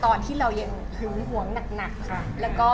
ต่อที่เรายังหงวงหนัก